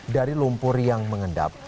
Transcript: dari lumpur yang mengendap